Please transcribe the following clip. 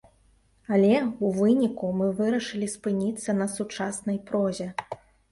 Але, у выніку мы вырашылі спыніцца на сучаснай прозе.